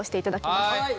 はい。